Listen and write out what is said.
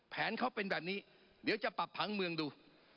แผนเขาเป็นแบบนี้เดี๋ยวจะปรับผังเมืองดู